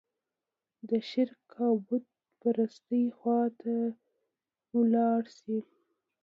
د شرک او بوت پرستۍ خوا ته لاړ شي.